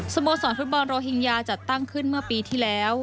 โมสรฟุตบอลโรฮิงญาจัดตั้งขึ้นเมื่อปีที่แล้ว